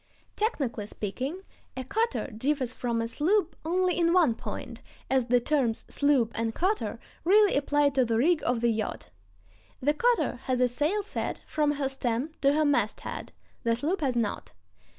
Technically speaking, a cutter differs from a sloop only in one point, as the terms "sloop" and "cutter" really apply to the rig of the yacht. The cutter has a sail set from her stem to her masthead; the sloop has not.